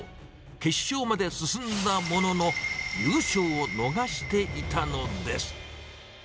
決勝まで進んだものの、優勝を逃していたのです。